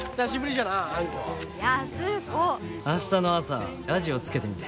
明日の朝ラジオつけてみて。